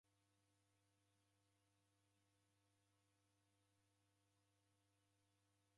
W'ukongo ghwa Ibola ghwabwaghie w'andu w'engi nandighi Uganda.